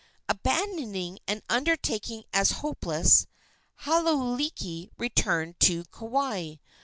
Abandoning the undertaking as hopeless, Hauailiki returned to Kauai.